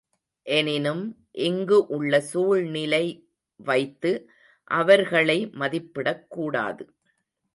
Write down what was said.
எனினும் இங்கு உள்ள சூழ்நிலைவைத்து அவர்களை மதிப்பிடக்கூடாது.